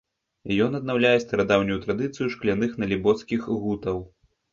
Ён аднаўляе старадаўнюю традыцыю шкляных налібоцкіх гутаў.